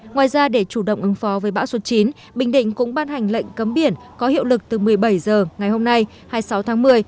ngoài ra để chủ động ứng phó với bão số chín bình định cũng ban hành lệnh cấm biển có hiệu lực từ một mươi bảy h ngày hôm nay hai mươi sáu tháng một mươi